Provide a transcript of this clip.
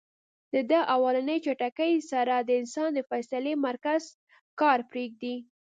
د دې اولنۍ جټکې سره د انسان د فېصلې مرکز کار پرېږدي -